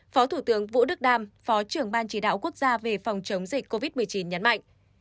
phó thủ tướng vũ đức đam phó trưởng ban chỉ đạo quốc gia về phòng chống dịch covid một mươi chín nhấn mạnh